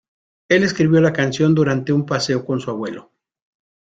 Él escribió la canción durante un paseo con su abuelo.